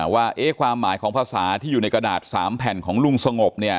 ว่าความหมายของภาษาที่อยู่ในกระดาษ๓แผ่นของลุงสงบเนี่ย